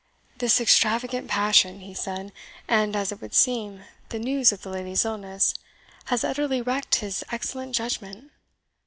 "This extravagant passion," he said, "and, as it would seem, the news of the lady's illness, has utterly wrecked his excellent judgment.